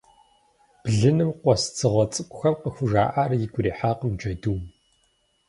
Блыным къуэс дзыгъуэ цӏыкӏухэм къыхужаӏэр игу ирихьакъым джэдум.